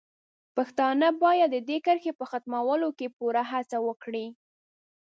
پښتانه باید د دې کرښې په ختمولو کې پوره هڅه وکړي.